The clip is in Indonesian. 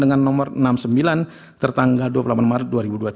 dengan nomor enam puluh sembilan tertanggal dua puluh delapan maret dua ribu dua puluh tiga